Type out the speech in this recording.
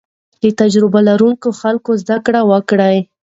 له تجربه لرونکو خلکو زده کړه وکړئ.